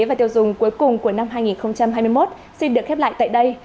bản tin kinh tế và tiêu dùng cuối cùng của năm hai nghìn hai mươi một xin được khép lại tại đây